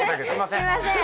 すいません！